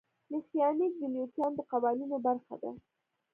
میخانیک د نیوټن د قوانینو برخه ده.